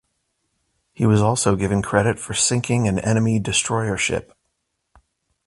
He was also given credit for sinking an enemy Destroyer ship.